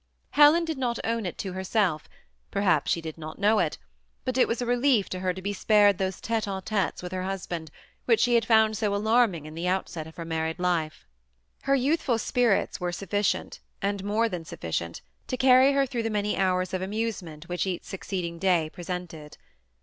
Helen did not own it to herself, perhaps she did not know it, but it was a relief to her to be spared those tete d tetes with her husband, which she had found so alarming in the outset of her married life. Her youthful spirits were suffi cient, and more than sufficient, to carry her through the many hours of amusement which each succeeding day presented.